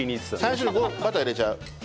最初にバター入れちゃう。